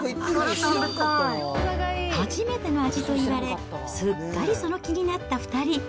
初めての味といわれ、すっかりその気になった２人。